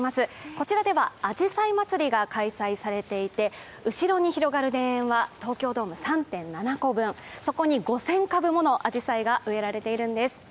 こちらではあじさいまつりが開催されていて後ろに広がる田園は東京ドーム３．７個分、そこに５０００株ものあじさいが植えられているんです。